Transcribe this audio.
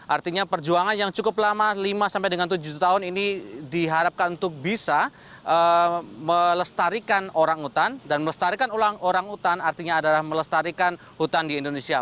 artinya perjuangan yang cukup lama lima sampai dengan tujuh tahun ini diharapkan untuk bisa melestarikan orang utan dan melestarikan orang utan artinya adalah melestarikan hutan di indonesia